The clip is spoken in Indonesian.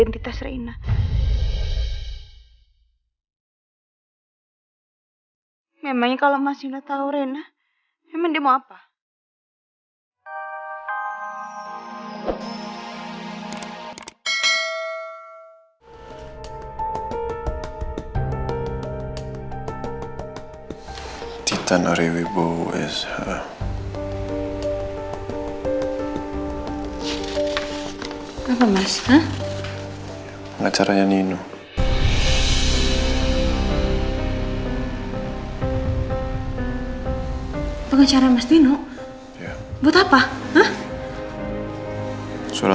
tidak ada yang bisa mencoba